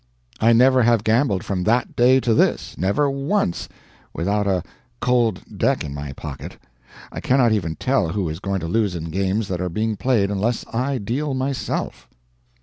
I never have gambled from that day to this never once without a "cold deck" in my pocket. I cannot even tell who is going to lose in games that are being played unless I deal myself.